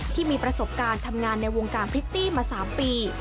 ที่มีประสบการณ์ทำงานในวงการพริตตี้มา๓ปี